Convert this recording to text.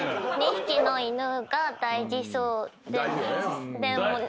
２匹の犬が大事そう。